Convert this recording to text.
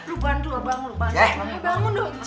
udah deh lo bangun dulu